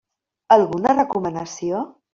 Alguna recomanació?